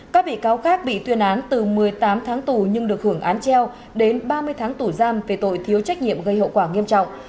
các bị cáo khác bị tuyên án từ một mươi tám tháng tù nhưng được hưởng án treo đến ba mươi tháng tù giam về tội thiếu trách nhiệm gây hậu quả nghiêm trọng